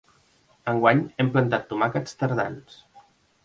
Enguany hem plantat tomàquets tardans.